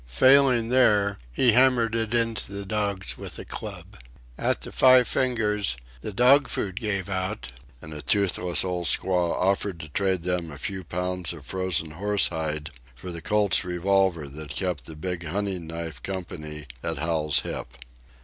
Failing there, he hammered it into the dogs with a club. At the Five Fingers the dog food gave out, and a toothless old squaw offered to trade them a few pounds of frozen horse hide for the Colt's revolver that kept the big hunting knife company at Hal's hip.